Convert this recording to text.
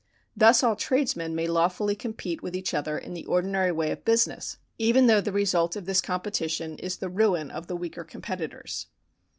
Thus all trades men may lawfully compete with each other in the ordinary way of business, even though the result of this competition is the ruin of the weaker competitors.